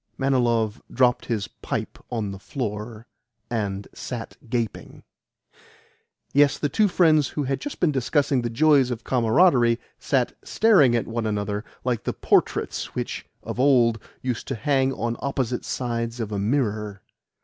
Manilov dropped his pipe on the floor, and sat gaping. Yes, the two friends who had just been discussing the joys of camaraderie sat staring at one another like the portraits which, of old, used to hang on opposite sides of a mirror.